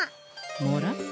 もらった？